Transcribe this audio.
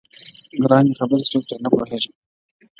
گرا ني خبري سوې پرې نه پوهېږم.